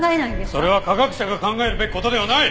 それは科学者が考えるべき事ではない！